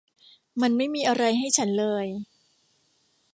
มันไม่มีอะไรให้ฉันเลย